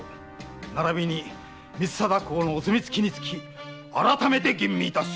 ならびに光貞公のお墨付きにつき改めて吟味いたす。